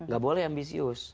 gak boleh ambisius